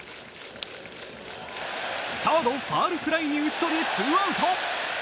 サードファウルフライに打ち取りツーアウト。